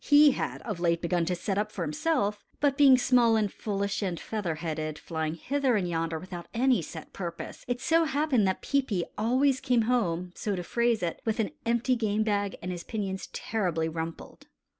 He had of late begun to set up for himself, but being small and foolish and feather headed, flying hither and yonder without any set purpose, it so happened that Peepi always came home, so to phrase it, with an empty game bag and his pinions terribly rumpled.